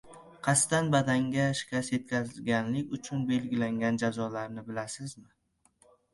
Qasddan badanga shikast yetkazganlik uchun belgilangan jazolarni bilasizmi?